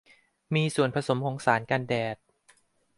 มีส่วนผสมของสารกันแดด